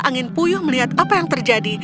angin puyuh melihat apa yang terjadi